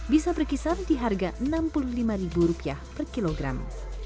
bisa berkisar di harga rp enam puluh lima per kilogram